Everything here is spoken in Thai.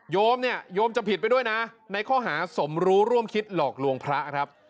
โยมเนี่ยโยมจะผิดไปด้วยนะในข้อหาสมรู้ร่วมคิดหลอกลวงพระครับ